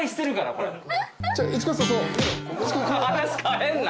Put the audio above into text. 話変えんな。